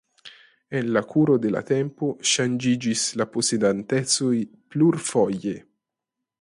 En la kuro de la tempo ŝanĝiĝis la posedantecoj plurfoje.